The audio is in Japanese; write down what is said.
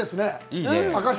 いいね。